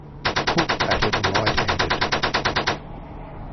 Cook batted right handed.